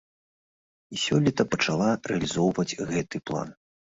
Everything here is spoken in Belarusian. І сёлета пачала рэалізоўваць гэты план.